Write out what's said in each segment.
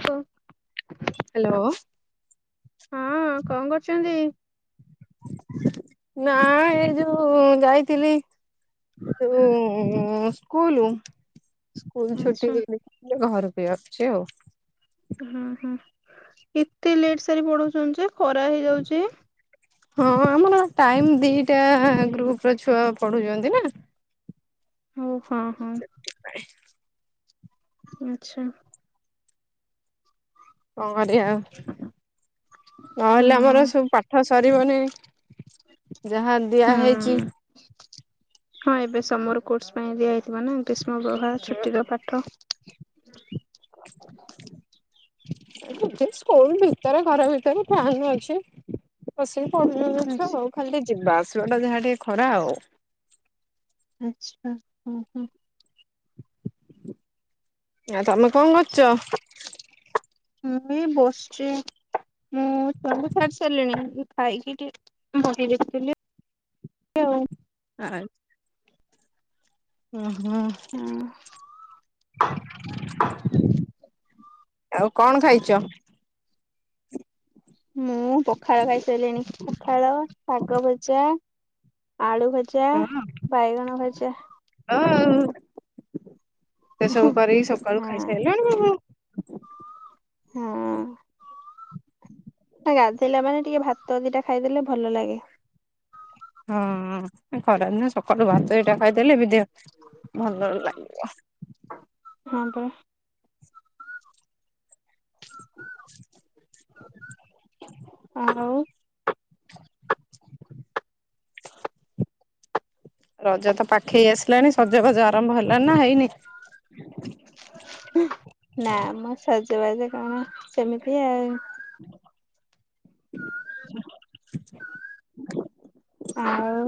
ଓ ଓ। ହାଲୋ। ହଁ କଣ କରୁଛନ୍ତି? ନା ଏ ଯଉ ଯାଇଥିଲି ଯୋଉ ସ୍କୁଲୁ। ସ୍କୁଲ ଛୁଟି ଆଚ୍ଛା କରି ଘର ଫ୍ରି ଅଛି ଆଉ। ହୁଁ ହୁଁ ଏତେ ଲେଟ୍ ସାରି ପଢଉଛନ୍ତି ଯେ। ଖରା ହେଇଯାଉଛି। ହଁ ଆମର ଟାଇମ ଦିଟା ଗ୍ରୁପ ର ଛୁଆ ପଢୁଛନ୍ତି ନା। ହଉ। ହଁ ହଁ। ଆଛା। ହଁ। ବଢିଆ ହଁ ନହେଲେ ଆମର ସବୁ ପାଠ ସରିବନି। ଯାହା ଦିଆହେଇଛି। ହୁଁ। ହଁ ଏବେ ସମର କୋର୍ସ ପାଇଁ ଦିଆ ହେଇଥିବ ନା ଗ୍ରୀ ଷ୍ମ ପ୍ରଭାବ ଛୁଟିର ପାଠ ସ୍କୁଲ ଭିତରେ ଘର ଭିତରେ ଫ୍ୟାନ ଅଛି ବସି ପଢ଼ିଲେ ଛୁଆ ଆଚ୍ଛା ଆଉ ଖାଲି। ମାସ ଟା ଯାହା ଟିକେ ଖରା ଆଉ। ଆଛା ହୁ ହୁଁ। ଆ ତମେ କଣ କରୁଚ? ମୁଁ ବସିଚି ମୁଁ ସବୁ ସାରି ସାରିଲିଣି ଖାଇକି ଟିକେ ବହି ଦେଖଥିଲି ଆଉ। ଆ ହୁଁ। ହଁ। [inaudible] ଆଉ କଣ ଖାଇଚ? ମୁଁ ପଖାଳ ଖାଇସାରିଲିଣି ପଖାଳ, ଶାଗ, ଭଜା ଆଳୁ ଭଜା, ହଁ ବାଇଗଣ ଭଜା ଆଉ ସେ ସବୁ କରିକି ସକାଳୁ ହଁ ଖାଇସାରିଲାଣି ଆଉ। ହଁ। ଗାଧୋଇଲେ ମାନେ ଟିକେ ଭାତ ଦିଟା ଖାଇଦେଲେ ଭଲ ଲାଗେ। ହଁ ଖରା ଦିନେ ସକାଳୁ ଭାତ ଦିଟା ଖାଇଦେଲେ ଦେହ ଭଲ ଲାଗିବ। ହଁ ପରା। [inaudible] ଆଉ ରଜ ତ ପାଖେଇ ଆସିଲାଣି ସଜବାଜ ଆରମ୍ଭ ହେଲାଣି ନା ହେଇନି। ନା ମ ସଜ ସଜବାଜ କଣ ସେମିତି ଆଉ। [inaudible] ଆଉ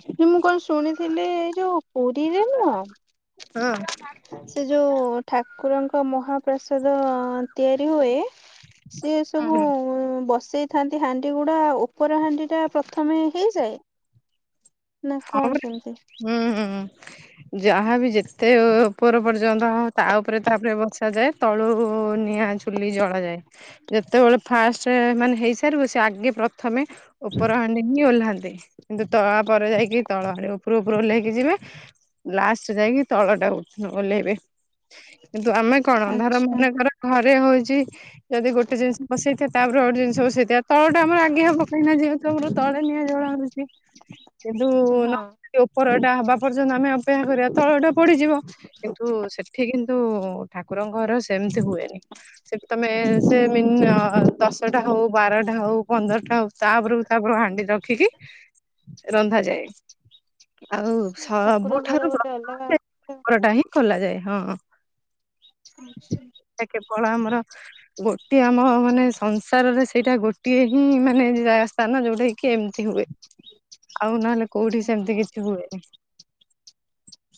ସେ ମୁଁ କଣ ଶୁଣିଥିଲି ଏଇ ଯୋଉ ପୁରୀରେ ନୁହଁ। ହଁ। ସେ ଯୋଉ ଠାକୁରଙ୍କ ମହାପ୍ରାସାଦ ତିଆରି ହୁଏ। ସିଏ ସବୁ ହଁ ବସ ସେଇ ଥାନ୍ତି ହାଣ୍ଡି ଗୁଡା ଉପର ହାଣ୍ଡି ଟା ପ୍ରଥମେ ହେଇଯାଏ ନା କଣ ହଁ ପରା କେମିତି? ହ ହୁଁ ହୁଁ ଯାହାବି ଯେତେ ଉପର ପର୍ଯ୍ୟନ୍ତ ତା ଉପରେ ତାପରେ ବସାଯାଏ ତଳୁ ନିଆଁ ଝୁଲି ଜଳାଯାଏ ଯେତେବେଳେ ଫାଷ୍ଟ ମାନେ ହେଇସାରିବ ସେ ଆଗେ ପ୍ରଥମେ ଉପର ହଣ୍ଡି ହିଁ ଓହ୍ଲାନ୍ତି କିନ୍ତୁ ତଳା ପରେ ଯାଇକି ତଳ ଆଡେ ଉପର ଉପରୁ ଓହ୍ଲେଇକି ଯିବେ ଲାଷ୍ଟ ଯାଇକି ତଳ ଟା କୁ ଓହ୍ଲେଇବେ। କିନ୍ତୁ ଆମେ କଣ ଧର ଆଚ୍ଛା। ମନେକର ଘରେ ହଉଚି ଯଦି ଗୋଟେ ଜିନିଷ ବସେଇ ଥିବା ତା ଉପରେ ଆଉ ଗୋଟେ ଜିନିଷ ବସେଇଥିବା ତଳଟା ଆମ ଆଗେ ପକନା ଯେହେତୁ ଆମର ତଳେ ନିଆଁ ଜଳ ହଉଛି କିନ୍ତୁ ହଁ ନ ଉପରଟା ହବା ପର୍ଯ୍ୟନ୍ତ ଯଦି ଆମେ ଅପେକ୍ଷା କରିବା ତଳଟା ପୋଡିଯିବ କିନ୍ତୁ ସେଠି କିନ୍ତୁ ଠାକୁରଙ୍କ ଘର ସେମିତି ହୁଏନି ସେଠି ତମେ ସେ ମିନି ଦଶଟା ହଉ ବାରଟା ହଉ ପନ୍ଦରଟା ହଉ ତାପରୁ ତାପରୁ କୁ ହାଣ୍ଡି ରଖି ଖିକି ରନ୍ଧା ସେ ଆଉ ଠାକୁରଙ୍କର ସବୁଠାରୁ [inaudible] ଗୋଟେ ଅଲଗା ସେ ଅଛି ପରଟା ହିଁ ଖୋଲାଯାଏ। ହଁ। ସେଟା କେବଳ ଆମର ଗୋଟିଏ ଆମ ମାନେ ସଂସାରରେ ସେଇଟା ଗୋଟିଏ ହିଁ ମାନେ ଜା ସ୍ଥାନ ଯୋଉଟା କି ଏମତି ହୁଏ ଆଉ ନହଲେ କୋଉଠି ସେମତି କିଛି ହୁଏନି।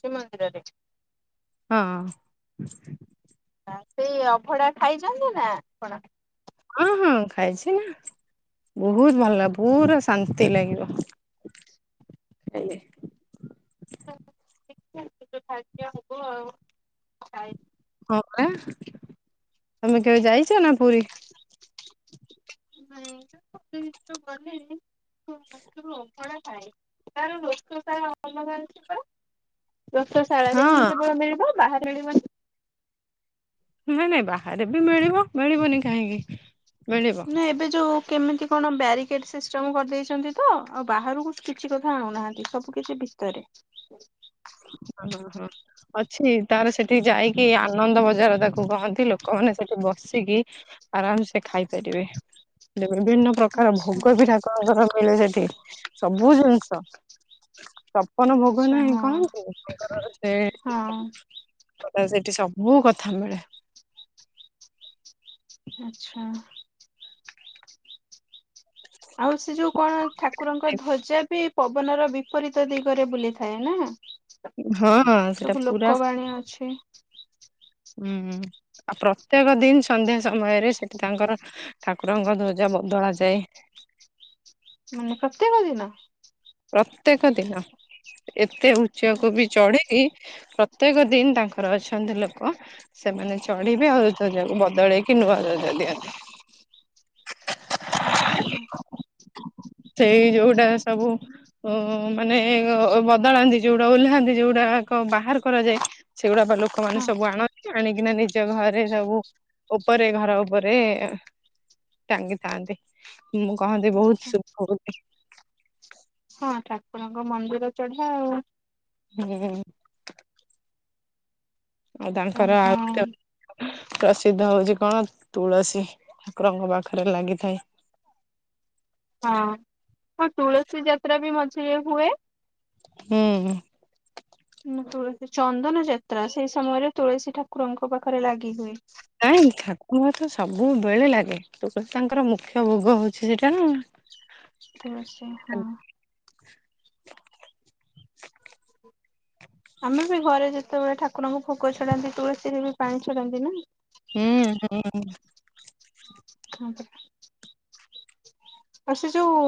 ଶ୍ରୀମନ୍ଦିରରେ। ହଁ। ଆ ସେଇ ଅଭଡା ଖାଇଚନ୍ତି ନା ଆପଣ? ହଁ ହଁ ଖାଇଛି ନା ବୋହୁତ ଭଲ ପୁରା ଶାନ୍ତି ଲାଗିବ ଖାଇଲେ। [inaudible] ହବ ଆଉ ଖାଇ ହଁ ପରା। ତମେ କେବେ ଯାଇଚ ନା ପୁରୀ। ନାଇଁ [inaudible] ଭିତରକୁ ଗଲେ [inaudible] କେବଳ ଅବଢା ଖାଏ ତାର [inaudible] ଟା [inaudible] ପରା। ଗଶଶାଳାରେ ହିଁ ହଁ କେବଳ ମିଳିବ ବାହା ମିଳିବନି ନାଇଁ ନାଇଁ ବାହାରେ ବି ମିଳିବ। ମିଳିବନି କାହିଁକି ମିଳିବ। ନା ଏବେ ଯୋଉ କେମିତି କଣ ବ୍ୟାରିକେଟ ସିଷ୍ଟମ କରିଦେଇଛନ୍ତି ତ ଆଉ ବାହାରକୁ କିଛି କଥା ଆଣୁନାହାନ୍ତି ସବୁ କିଛି ଭିତରେ। ହଁ ହଁ ଅଛି ତାର ସେଠି ଯାଇକି ଆନନ୍ଦ ବଜାର ତାକୁ କହନ୍ତି ଲୋକମାନେ ସେଠି ବସିକି ଆରାମସେ ଖାଇପାରିବେ ଦୋ ବିଭିନ୍ନ ପ୍ରକାର ଆଚ୍ଛା ଭୋଗ ବି ଠାକୁରଙ୍କ ପାଖେ ମିଳେ ସେଠି ସବୁ ଜିନ ହଁ ସ କଣ ଭୋଗ ଆଚ୍ଛା ନାହିଁ ହଁ କଣ ହଁ। ଆଉ ସେଠି ସବୁ କଥା ମିଳେ। ଆଚ୍ଛା। ଆଉ ସେ ଯୋଉ କଣ ଠାକୁରଙ୍କ ଧ୍ୱଜା ବି ପବନର ବିପରୀତ ଦିଗରେ ବୁଲିଥାଏ ନା? ହଁ ସେଟା ସବୁ ପୁରା ସ ଲୋକବାଣୀ ଅଛି ହୁଁ ଆଉ ପ୍ରତ୍ୟେକ ଦିନ ସନ୍ଧ୍ୟା ସମୟରେ ସେଠି ତାଙ୍କର ଠାକୁରଙ୍କ ଧ୍ୱଜ ବଦଳା ଯାଏ। ମାନେ ପ୍ରତ୍ୟେକ ଦିନ। ପ୍ରତ୍ୟେକ ଦିନ ଏ ଏତେ ଉଚ୍ଚାକୁ ବି ଆଚ୍ଛା ଚଢ଼ିକି ପ୍ରତ୍ୟେକ ଦିନ ତାଙ୍କର ଅଛନ୍ତି ଲୋକ ସେମାନେ ଚଢିବେ ଆଉ ଏ ଧ୍ୱଜାକୁ ବଦଳେଇକି ନୂଆ ଧ୍ୱଜା ଦିଅନ୍ତି। ଆଚ୍ଛା। ସେଇ ଯୋଉଟା ସବୁ ଓ, ମାନେ ବଦଳାନ୍ତି ଯୋଉଡା, ଓହ୍ଲାନ୍ତି ଯୋଉଡାକ, ବାହାର କରାଯାଏ। ସେଇଗୁଡା ବା ଲୋକମାନେ ହଁ ସବୁ ଆଣନ୍ତି। ଆଣିକିନା ନିଜ ଘରେ, ସବୁ ଉପରେ, ଘର ଉପରେ ଟାଙ୍ଗିଥାନ୍ତି। ମୁଁ କହନ୍ତି ବହୁତ ଆଚ୍ଛା [unintelligible] ହଁ, ଠାକୁରଙ୍କ ମନ୍ଦିର ଚଢା ଆଉ ହୁଁ ଆଉ ହଁ ତାଙ୍କର [unintelligible] ପ୍ରସିଦ୍ଧ ହଉଛି କଣ? ତୁଳସୀ, [unintelligible] ପାଖରେ ଲାଗିଥାଏ। ହଁ, ଆଉ ତୁଳସୀ ଯାତ୍ରା ବି ମଝିରେ ହୁଏ। ହୁଁ। ତୁଳସୀ, ଚନ୍ଦନ ଯାତ୍ରା, ସେଇ ସମୟରେ ତୁଳସୀ ଠାକୁରଙ୍କ ପାଖରେ ଲାଗି ହୁଏ। ନାଇଁ [unintelligible] ସବୁବେଳେ ଲାଗେ, [unintelligible] ତାଙ୍କର ମୁଖ୍ୟ ଭୋଗ ହଉଛି ସେଟା ନା। ତ [unintelligible] ହଁ ଆମେ ବି ଘରେ ଯେ ସେତେବେଳେ ଠାକୁରଙ୍କୁ ଭୋଗ ଛଡାନ୍ତି, ତୁଳସୀରେ ବି ପାଣି ଛଡାନ୍ତି ନା? ହୁଁ, ହୁଁ। ଆଉ, ସେ ଯୋଉ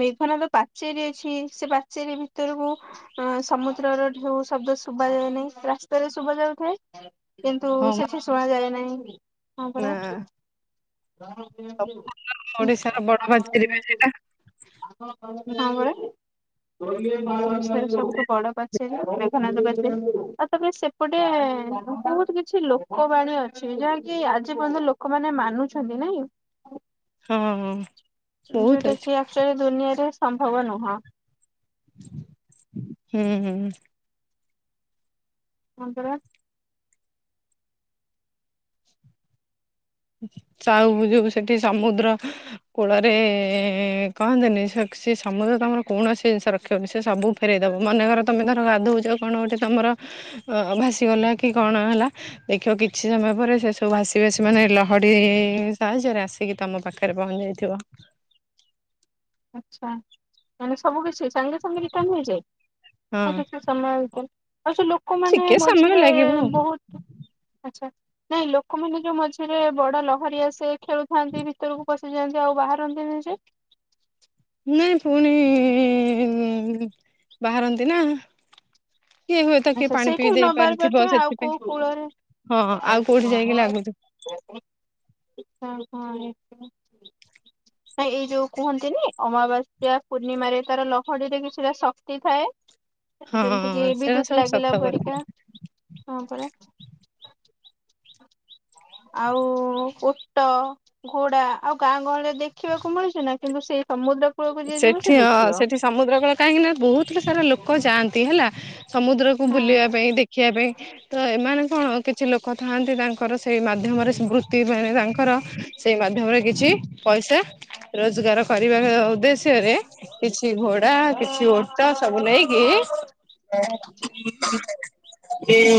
ମେଘନାଦ ପାଚେରୀ ଅଛି, ସେ ପାଚେରୀ ଭିତରକୁ ସମୁଦ୍ରର ଢେଉ ଶବ୍ଦ ଶୁଭା ଯାଏନାହିଁ, ରାସ୍ତାରେ ଶୁଭ ଯାଉଥାଏ। କିନ୍ତୁ, ହଁ ସେଠି ଶୁଣାଯାଏ ନାହିଁ। [unintelligible] ହଁ ପରା। ନା ଓଡିଶାର ବଡ ପାଚେରୀ [inaudible] ବା ସେଇଟା ତାଙ୍କର ବ [inaudible] ବା ବଡ ପାଚେରୀ, ମେଘନାଦ ପାଚେରୀ ଆଉ ତପରେ ସେପଟେ ବହୁତ କିଛି ଲୋକବାଣୀ ଅଛି। ଯାହାକି ଆଜି ପର୍ଯ୍ୟନ୍ତ ଲୋକ ଲୋକ ମାନେ ମାନୁଛନ୍ତି ନାଇଁ। ହଁ ବହୁତ ଯୋଉଟା ଅଛି କି ଆକ୍ଚୁଲି ଦୁନିଆରେ ସମ୍ଭବ ନୁହଁ। [inaudible] ହୁଁ ହୁଁ। ପନ୍ଦର [unintelligible] ସେଠି ସମୁଦ୍ର କୂଳରେ କହନ୍ତିନି, ସେ ସମୁଦ୍ର ତମର କୌଣସି ଜିନିଷ [unintelligible] ସେ ସବୁ ଫେରଇ ଦବ, ମନେକର ତମେ ଧର ଗାଧଉଛ, କଣ ଗୋଟେ ତମର ଭାସି ଗଲା କି କଣ ହେଲ। ଦେଖିବ କିଛି ସମୟ ପରେ ସେ ସବୁ ଭାସି ଭାସି ମାନେ [unintelligible] ସାହାଯ୍ୟରେ ଆସିକି ତମ ପାଖରେ, ପହଂଚି ଯାଇଥିବ। ଆଛା ମାନେ ସବୁ କିଛି? ସଙ୍ଗେ ସଙ୍ଗେ ରିଟର୍ଣ ହେଇଯାଏ? ନା ହଁ କିଛି ସମୟ ଆଉ ସେ ଲୋକମାନେ ଟିକେ ସମୟ ମଝିରେ ଲାଗିବ ଆଉ। ବହୁତ ଆଛା। ନାଇଁ, ଲୋକମାନେ ଯୋଉ ମଝିରେ ବଡ ଲହରି ଆସେ ଖେଳୁଥାନ୍ତି ଭିତରକୁ ପସି ଜେନ୍ତି ଆଉ ବାହାରନ୍ତି ଯେ ନାଇଁ ପୁଣି ଉଁ ବାହାରନ୍ତି ନା। କିଏ ହୁଏତ କିଏ ଆଛା ପାଣି ପିଇ ସେଇଠି ବି ନ ଦେଇ ବାହାରି ପାରିଥିବ ପାରୁଥିବେ ଆଉ ସେଥିପାଇଁ କୋଉ କୂଳରେ ହଁ ଆଉ କୋଉଠି ଯାଇକି ହଁ ଲାଗୁଥିବ। ନ ଏଇ ଯୋଉ କୁହନ୍ତିନି ଅମାବାସ୍ୟା ପୂର୍ଣ୍ଣିମାରେ ତାର ଲହଡିୀ ରେ କିଛିଟା ଶକ୍ତି ଥାଏ। ଯେମିତି କି ହଁ ସେଇଟା ବିଦ୍ୟୁତ ସବୁ ସତ ଲାଗିଲା କଥା ପରିକା କଣ କର [inaudible] ଆଉ କ ଘୋଡା ଆଉ ଗାଁ ଗହଳିରେ ଦେଖିବାକୁ ମିଳୁଛି ନା କିନ୍ତୁ ସେଇ ସମୁଦ୍ର କୂଳକୁ ଯିଏ ଯିବ ସେ ସେଠି ଅ ଦେଖିବ। ସେଠି ସମୁଦ୍ର କଳ କାହିଁକି ନା ବହୁତ ସାରା ଲୋକ ଯାଆନ୍ତି ହେଲା? ସମୁଦ୍ରକୁ ହଁ ବୁଲିବା ପାଇଁ ଦେଖିବା ପାଇଁ ତ ଏମାନେ କଣ କିଛି ଲୋକ ଥାଆନ୍ତି ତାଙ୍କର ସେଇ ମାଧ୍ୟମରେ ବୃତ୍ତି ବେଳେ ସା ତାଙ୍କର ସେଇ ମାଧ୍ୟମରେ କିଛି ପଇସା ରୋଜଗାର କରିବା। ଉଦ୍ଦେଶ୍ୟରେ [unintelligible] କିଛି ଓଟା ସବୁ ନେଇକି [unintelligible]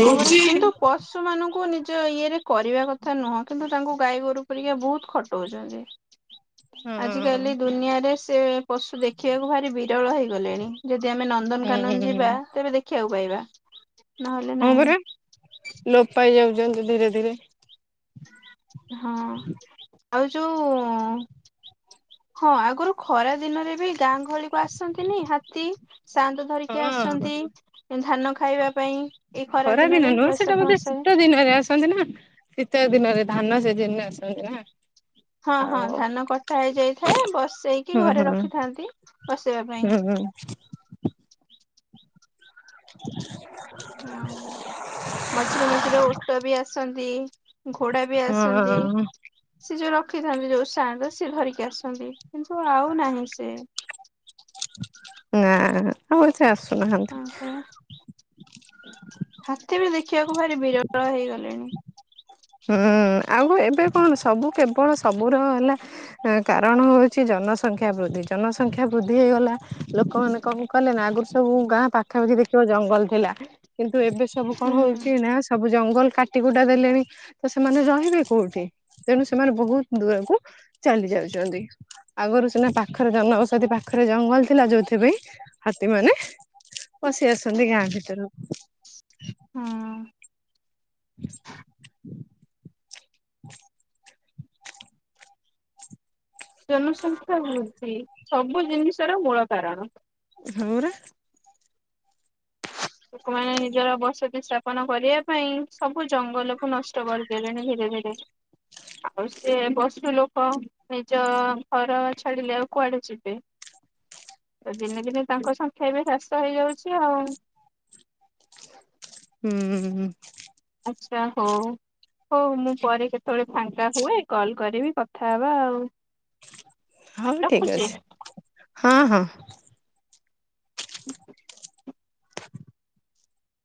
ହଁ ପରା କିନ୍ତୁ ପଶୁ ମାନଙ୍କୁ ନିଜ ଇଏରେ କରିବା କଥା ନୁହଁ କିନ୍ତୁ ତାଙ୍କୁ ଗାଈ ଗୋରୁ ପରିକା ବହୁତ ଖଟଉଛନ୍ତି। ହଁ ଆଜିକାଲି ଦୁନିଆରେ ସେ ପଶୁ ଦେଖିବାକୁ ଭାରି ବିରଳ ହେଇଗଲେଣି ଯଦି ଯଦି ଆମେ ନନ୍ଦନକାନନ ଯିବା ହୁଁ ତେବେ ଦେଖି ବାକୁ ପାଇବା ନହେଲେ ହଁ ନାହିଁ ପରା ଲୋପ ପାଇ ଯାଉ ଜ ଧୀରେ ଧୀରେ। [unintelligible] ହଁ। ଆଉ ଯୋ, ଉ ହଁ ଆଗରୁ ଖରା ଦିନରେ ବି ଗାଁ ଗହଳିକୁ ଆସନ୍ତିନି ହାତୀ? ସାନ୍ତ ଧରିକି ହଁ। ଆସନ୍ତି, ଧାନ ଖାଇବା ପାଇଁ। ଏଇ ଖରା ଦିନ ଦିନରେ ନୁହଁ ସେଟା ବୈଶାଖ ବୋଧେ ମାସରେ ଶୀତ ଦିନରେ ଆସନ୍ତି ନା? ଶୀତ ଦିନରେ ଧାନ ସିଯିନ ରେ ଆସନ୍ତି ନା? ହଁ ହଁ ଆଉ ଧାନ କଟା ହେଇଯାଇଥାଏ ବସେଇକି ହୁଁ ହୁଁ ଘରେ ରଖିଥାନ୍ତି ବସେଇବା ହୁଁ ହଁ ପାଇଁ। [unintelligible] ହଁ ମଝିରେ ମଝିରେ ଓଟ ବି ଆସନ୍ତି। ଘୋଡା ବି ଆସନ୍ତି, ସେ ଯୋଉ ର ରଖିଥାନ୍ତି ଯୋଉ ସାଆନ୍ତ ସେ ଧରିକି ଆସନ୍ତି, କିନ୍ତୁ ଆଉ ନାହିଁ ସେ। ନାଁ ଆଉ ସେ ଆସୁନାହାନ୍ତି। ହୁଁ ହୁଁ ହାତୀ ବି ଦେଖିବାକୁ ଭାରି ବିରଳ ହେଇଗଲେଣି। ହୁଁ ଆଉ ଏବେ କଣ ସବୁ କେବଳ ସବୁ ର ହେଲା କାରଣ ହେଉଛି ଜନସଂଖ୍ୟା ବୃଦ୍ଧି, ଜନସଂଖ୍ୟା ବୃଦ୍ଧି ହେଇଗଲା, ଲୋକମାନେ କଣ କଲେ ନା ଆଗରୁ ସବୁ ଗାଁ ପାଖାପାଖି ଦେଖିବ ଜଙ୍ଗଲ ଥିଲା, କିନ୍ତ ତୁ ଏବେ ସବୁ କଣ ହୁଁ। ହଉଛି ନା ସବୁ ଜି ଜଙ୍ଗଲ୍ କାଟି କୁଟା ଦେଲେଣି, ତ ସେମାନେ ରହିବେ କୋଉ, ଠି ତେଣୁ ସେମାନେ ବହୁତ୍ ଦୂରକୁ ଚାଲି ଯାଉଛନ୍ତି, ଆଗରୁ ସିନା ପାଖରେ ଜନବସତି ପାଖ୍ ଖରେ ଜଙ୍ଗଲ୍ ଥିଲା, ଯୋଉଥିପାଇଁ ହାତୀମାନେ ପସିଆସନ୍ତି ଗାଁ ଭିତରକୁ। ହଁ। [inaudible] ଜନସଂଖ୍ୟା ବୃଦ୍ଧି। ସବୁ ଜିନିଷର ମୂଳ କାରଣ। ହଁ ପରା। ଲୋକମାନେ ନିଜର ବସତି ସ୍ଥାପନ କରିବା ପାଇଁ ସବୁ ଜଙ୍ଗଲ ନଷ୍ଟ କରିଦେଲେଣି ଧୀରେ ଧୀରେ, ଆଉ ସିଏ ପଶୁ ଲୋକ ନିଜ ଘର ଛାଡ଼ିଲେ ଆଉ କୁଆଡେ ଯିବେ, ତ ଦିନେ ଦିନେ ତାଙ୍କ ସଂଖ୍ୟା ବି ହ୍ରାସ ହେଇଯାଉଛି ଆଉ। ହୁଁ-ଉଁ। ଆଚ୍ଛା ହଉ, ହଉ ମୁଁ ପରେ କେତେବେଳେ ଫାଙ୍କା ହୁଏ କଲ୍ କରିବି କଥା ହବା ଆଉ। ହଉ ଠିକ୍ ରଖୁଛି। ଅଛି। ହଁ ହଁ। [inaudible]